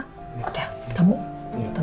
udah kamu tenang